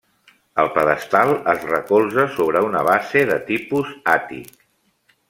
El pedestal es recolza sobre una base de tipus àtic.